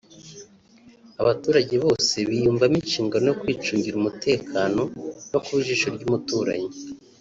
abaturage bose biyumvamo inshingano yo kwicungira umutekano no kuba ijisho ry’umuturanyi